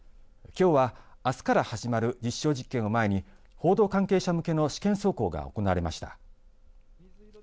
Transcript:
きょうは、あすから始まる実証実験を前に報道関係者向けの試験走行が行われました。